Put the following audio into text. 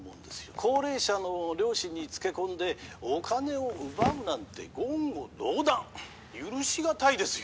高齢者の良心につけこんでお金を奪うなんて言語道断許しがたいですよ